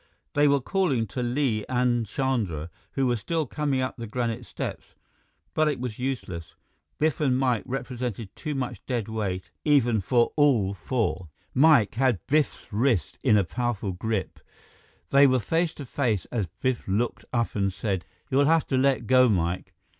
They were calling to Li and Chandra, who were still coming up the granite steps, but it was useless. Biff and Mike represented too much dead weight, even for all four. Mike had Biff's wrist in a powerful grip. They were face to face as Biff looked up and said, "You'll have to let go, Mike.